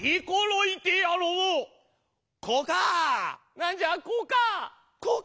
なんじゃこかあ。